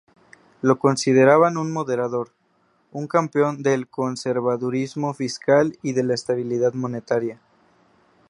Lo consideraban un moderador, un campeón del conservadurismo fiscal y de la estabilidad monetaria.